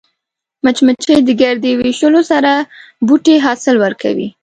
مچمچۍ د ګردې ویشلو سره بوټي حاصل ورکوي